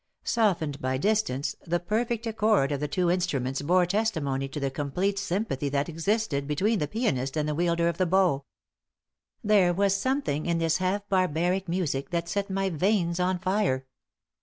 Softened by distance, the perfect accord of the two instruments bore testimony to the complete sympathy that existed between the pianist and the wielder of the bow. There was something in this half barbaric music that set my veins on fire.